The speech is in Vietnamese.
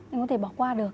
em có thể bỏ qua được